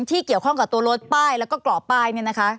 ที่เกี่ยวข้องกับตัวรถป้ายแล้วก็กรอบป้ายเนี่ยนะคะ